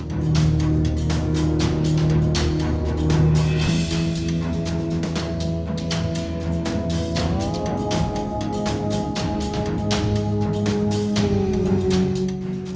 kemenkubham di lingkup kemenkubham